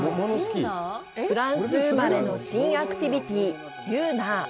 フランス生まれの新アクティビティユーナー。